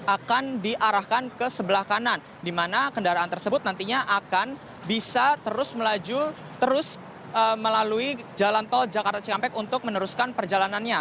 akan diarahkan ke sebelah kanan di mana kendaraan tersebut nantinya akan bisa terus melaju terus melalui jalan tol jakarta cikampek untuk meneruskan perjalanannya